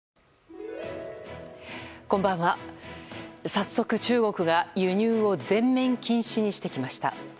早速、中国が輸入を全面禁止にしてきました。